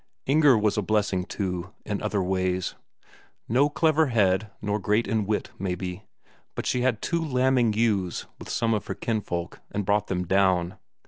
Inger was a blessing, too, in other ways. No clever head nor great in wit, maybe but she had two lambing ewes with some of her kinsfolk, and brought them down.